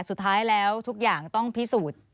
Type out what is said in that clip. สุดท้ายแล้วทุกอย่างต้องพิสูจน์